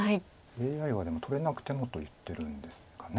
ＡＩはでも取れなくてもと言ってるんですか。